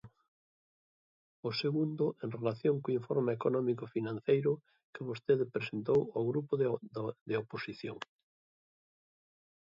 O segundo, en relación co informe económico-financeiro que vostede presentou ao grupo da oposición.